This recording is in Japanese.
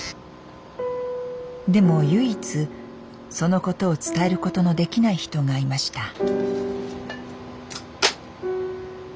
でも唯一そのことを伝えることのできない人がいました。